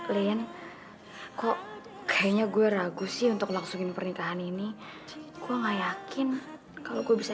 lin kok kayaknya gue ragu sih untuk langsungin pernikahan ini gue gak yakin kalau gue bisa